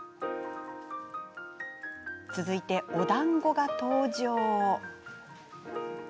続いて、おだんごが登場。